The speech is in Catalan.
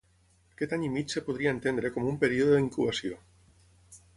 Aquest any i mig es podria entendre com un període d'incubació.